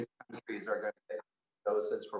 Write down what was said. dan kita tahu bahwa ini adalah tantangan besar